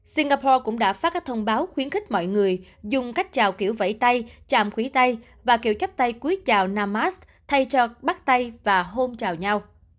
singapore cũng đã phát các thông báo khuyến khích mọi người dùng cách chào kiểu vẫy tay chạm khuỷ tay và kiểu chắp tay cuối chào namast thay cho bắt tay và hôn chào nhau